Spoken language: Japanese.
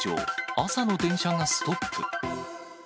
朝の電車がストップ。